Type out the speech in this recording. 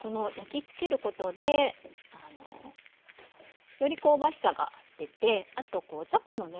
この焼きつけることでより香ばしさが出てあとじゃこのね